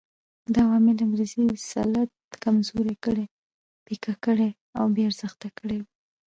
دا عوامل انګریزي تسلط کمزوري کړي، پیکه کړي او بې ارزښته کړي وو.